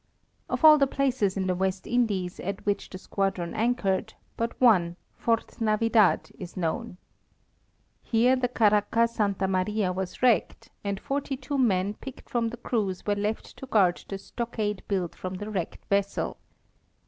Of all the places in the West Indies at which the squadron anchored, but one, Fort Navidad, is known. Here the caracca Santa Maria was wrecked, and forty two men picked from the crews were left to guard the stockade built from the wrecked vessel.